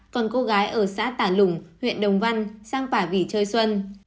còn cô gái ở xã tả lủng huyện đồng văn sang pả vi chơi xuân